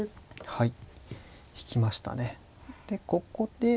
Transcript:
はい。